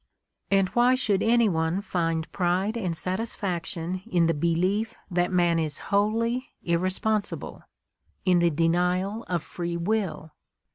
And why should any one find pride and satisfaction in the belief that man is wholly irresponsible, in the denial of "free will"?